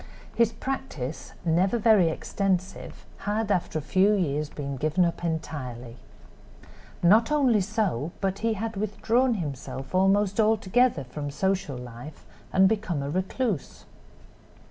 His practice, never very extensive, had after a few years been given up entirely. Not only so, but he had withdrawn himself almost altogether from social life and become a recluse.